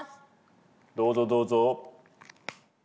どうぞどうぞ。